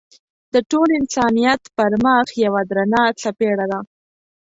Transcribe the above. د ټول انسانیت پر مخ یوه درنه څپېړه ده.